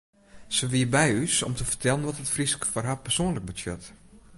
Se wie by ús om te fertellen wat it Frysk foar har persoanlik betsjut.